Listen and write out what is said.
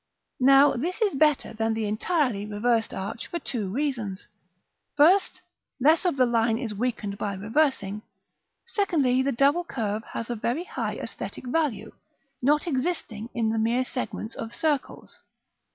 Now this is better than the entirely reversed arch for two reasons; first, less of the line is weakened by reversing; secondly, the double curve has a very high æsthetic value, not existing in the mere segments of circles.